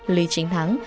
lý chính thắng